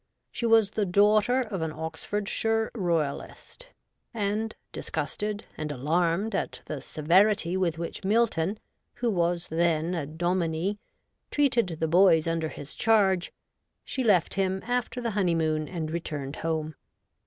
She was the daughter of an Oxfordshire Royalist, and, disgusted and alarmed at the severity with which Milton, who was then a dominie, treated the boys under his charge, she left him after the honeymoon and returned home.